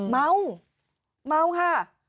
เม้าค่ะ